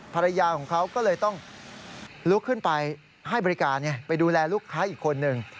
ภรรยาของเขาก็เลยต้องลุกขึ้นไปให้บริการไปดูแลลูกค้าอีกคนนึง